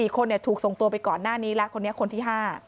๔คนถูกส่งตัวไปก่อนหน้านี้แล้วคนนี้คนที่๕